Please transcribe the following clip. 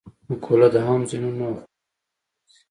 مقوله د عام ذهنونو او خولو برخه ګرځي